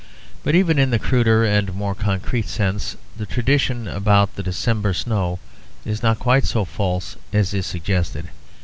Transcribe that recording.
But even in the cruder and more concrete sense the tradition about the December snow is not quite so false as is suggested.